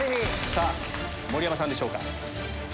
さぁ盛山さんでしょうか？